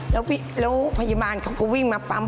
แล้วพยาบาลเขาก็วิ่งมาปั๊ม